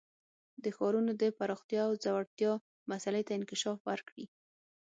د ښارونو د پراختیا او ځوړتیا مسئلې ته انکشاف ورکړي.